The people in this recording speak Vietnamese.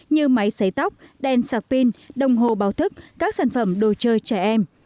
như máy xấy tóc đèn sạc pin đồng hồ báo thức các sản phẩm đồ chơi trẻ em